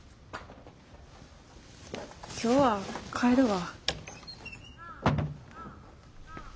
今日は帰るわ。